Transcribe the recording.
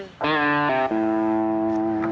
duduk kak ubed